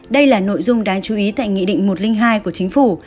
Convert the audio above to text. đây là nội dung đáng chú ý tại nghị định một trăm linh hai của chính phủ